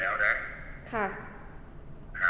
แล้วได้กี่แถวคะ